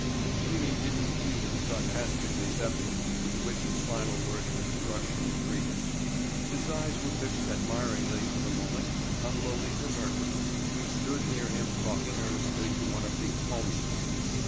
Jimmy didn't heed the sarcastic reception with which his final words of instruction were greeted. His eyes were fixed admiringly for the moment on Lolita Murphy who stood near him talking earnestly to one of the "ponies."